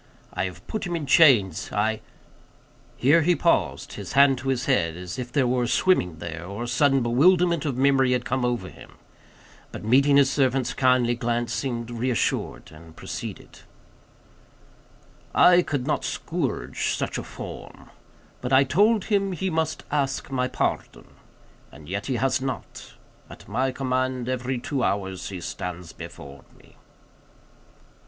I have put him in chains; I—" Here he paused; his hand to his head, as if there were a swimming there, or a sudden bewilderment of memory had come over him; but meeting his servant's kindly glance seemed reassured, and proceeded:— "I could not scourge such a form. But I told him he must ask my pardon. As yet he has not. At my command, every two hours he stands before me."